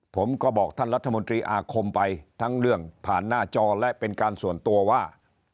ผมก็บอกท่านรัฐมนตรีอาคมไปทั้งเรื่องผ่านหน้าจอและเป็นการส่วนตัวว่า